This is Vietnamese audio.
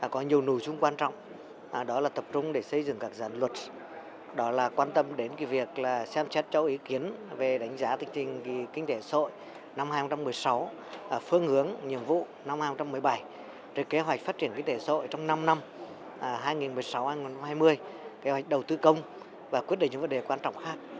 có nhiều nụ dung quan trọng đó là tập trung để xây dựng các dạng luật đó là quan tâm đến việc xem xét cho ý kiến về đánh giá tình trình kinh tế sội năm hai nghìn một mươi sáu phương hướng nhiệm vụ năm hai nghìn một mươi bảy kế hoạch phát triển kinh tế sội trong năm năm hai nghìn một mươi sáu hai nghìn hai mươi kế hoạch đầu tư công và quyết định những vấn đề quan trọng khác